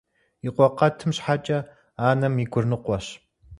И къуэ къэтым щхьэкӀэ анэм и гур ныкъуэщ.